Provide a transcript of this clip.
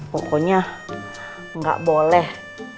pokoknya gak boleh